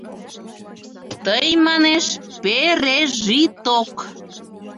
Тый, манеш, пе-ре-жи-ток!